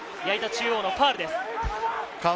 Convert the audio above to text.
矢板中央のファウルです。